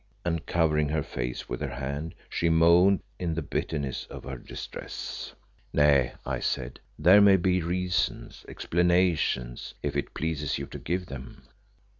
And, covering her face with her hand, she moaned in the bitterness of her distress. "Nay," I said, "there may be reasons, explanations, if it pleases you to give them."